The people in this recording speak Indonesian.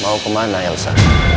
mau kemana elsa